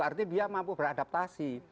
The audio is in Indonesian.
artinya dia mampu beradaptasi